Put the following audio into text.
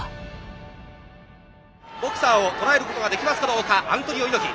ボクサーを捉えることができますかどうかアントニオ猪木。